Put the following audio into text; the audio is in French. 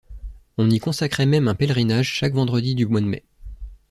On y consacrait même un pèlerinage chaque vendredi du mois de mai.